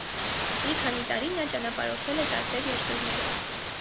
Մի քանի տարի նա ճանապարհորդել է տարբեր երկրներով։